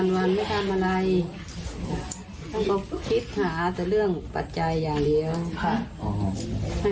วันไม่ทำอะไรท่านก็คิดหาแต่เรื่องปัจจัยอย่างเดียวค่ะ